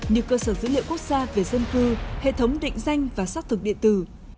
nhiều cơ sở dữ liệu quốc gia về dân cư hệ thống định danh và sát thực điện tử